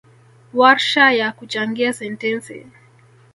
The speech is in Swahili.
Warsha ya kuchangia sentensi